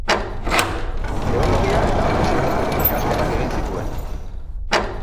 Teologia eta Maisutza ikasketak egin zituen.